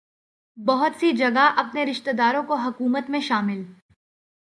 بہت سی جگہ اپنے رشتہ داروں کو حکومت میں شامل